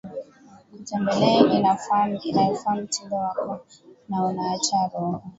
kutembelea inayofaa mtindo wako na unaacha roho